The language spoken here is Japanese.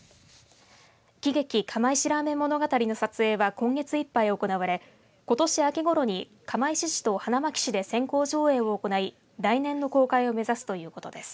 喜劇釜石ラーメン物語の撮影は今月いっぱい行われことし秋ごろに釜石市と花巻市で先行上映を行い来年の公開を目指すということです。